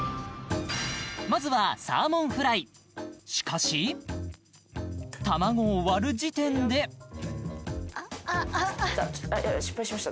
まずはサーモンフライしかし卵を割る時点であっ失敗しました